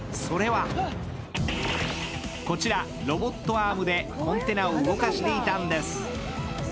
それはこちらロボットアームでコンテナを動かしていたんです。